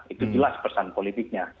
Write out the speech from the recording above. itu jelas pesan politiknya